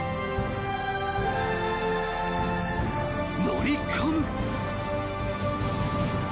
［乗り込む］